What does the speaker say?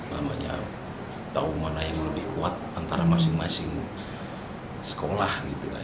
semuanya tahu mana yang lebih kuat antara masing masing sekolah